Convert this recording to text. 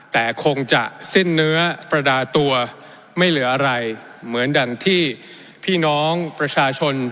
แต่คงจะสิ้นเนื้อประดาตัวไม่เหลืออะไรเหมือนดังที่พี่น้องประชาชน